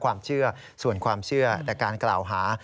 ความเชื่อส่วนความเชื่อแต่การกล่าวหา